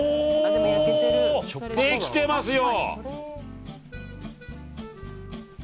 できてますよ。